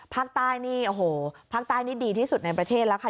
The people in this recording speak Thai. ภาคใต้นี่โอ้โหภาคใต้นี่ดีที่สุดในประเทศแล้วค่ะ